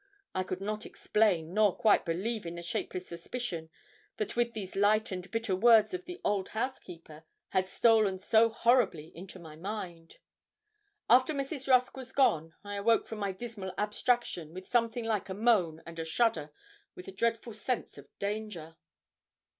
I could not explain nor quite believe in the shapeless suspicion that with these light and bitter words of the old housekeeper had stolen so horribly into my mind. After Mrs. Rusk was gone I awoke from my dismal abstraction with something like a moan and a shudder, with a dreadful sense of danger.